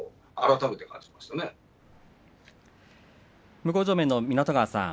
向正面の湊川さん